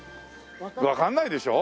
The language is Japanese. わかんないでしょ？